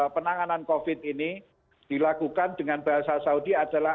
penanganan covid ini dilakukan dengan bahasa saudi adalah